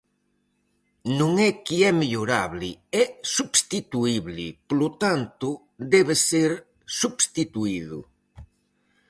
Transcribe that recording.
Non é que é mellorable, é substituible, polo tanto, debe ser substituído.